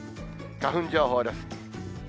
花粉情報です。